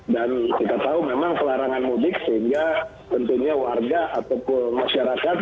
dan kita tahu memang kelarangan mudik sehingga tentunya warga atau masyarakat